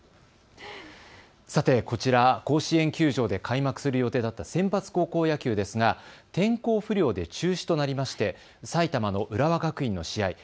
さてこちらは甲子園球場で開幕する予定だったセンバツ高校野球ですが、天候不良で中止となりまして埼玉の浦和学院の試合